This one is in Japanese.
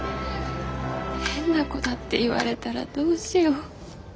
変な子だって言われたらどうしよう。